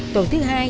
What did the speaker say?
tổ thứ hai